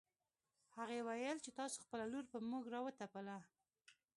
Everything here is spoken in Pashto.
هغې ويل چې تاسو خپله لور په موږ راوتپله